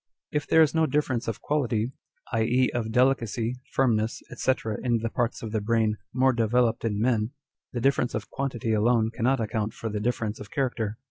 If there is no difference of quality ; i. e., of delicacy, firmness, &c. in the parts of the brain "more developed in men," the difference of quantity alone cannot account for the difference of character.